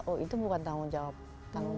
oh itu bukan tanggung jawab